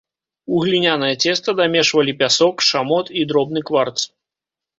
У глінянае цеста дамешвалі пясок, шамот і дробны кварц.